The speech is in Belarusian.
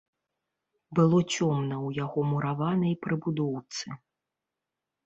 Было цёмна ў яго мураванай прыбудоўцы.